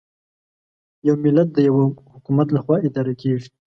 یو ملت د یوه حکومت له خوا اداره کېږي.